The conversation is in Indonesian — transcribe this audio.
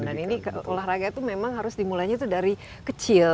dan ini olahraga itu memang harus dimulainya tuh dari kecil